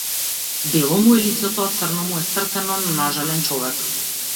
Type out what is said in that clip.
Бело му е лицето, а црно му е срцено на нажален човек.